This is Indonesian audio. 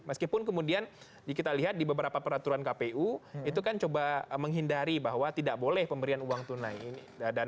meskipun kemudian kita lihat di beberapa peraturan kpu itu kan coba menghindari bahwa tidak boleh pemberian uang tunai